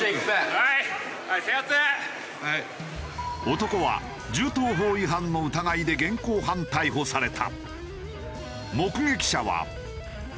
男は銃刀法違反の疑いで現行犯逮捕された。